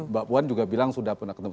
mbak puan juga bilang sudah pernah ketemu